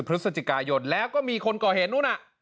พฤศจิกายนแล้วก็มีคนก่อเหตุนู้นน่ะ